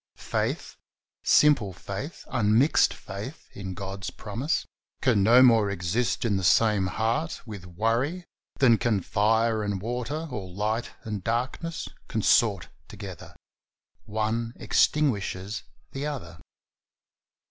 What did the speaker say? Faith — simple faith, unmixed faith in God's promise — can no more exist in the same heart with worry than can fire and water, or light and darkness, consort together; one extinguishes the other.